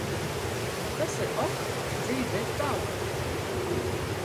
Bet tas ir ok. Dzīve rit tālāk.